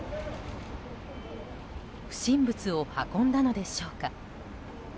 不審物を運んだのでしょうか。